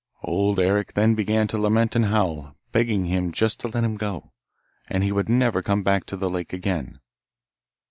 Old Eric then began to lament and howl, begging him just to let him go, and he would never come back to the lake again.